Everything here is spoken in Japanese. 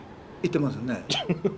いってますよね。